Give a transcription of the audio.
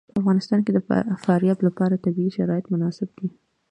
په افغانستان کې د فاریاب لپاره طبیعي شرایط مناسب دي.